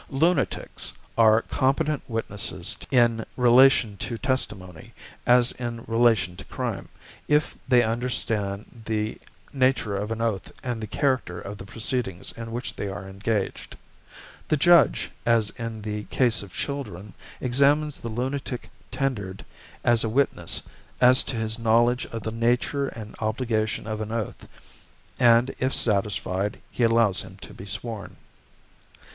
Lunatics are competent witnesses in relation to testimony, as in relation to crime, if they understand the nature of an oath and the character of the proceedings in which they are engaged. The judge, as in the case of children, examines the lunatic tendered as a witness as to his knowledge of the nature and obligation of an oath, and, if satisfied, he allows him to be sworn.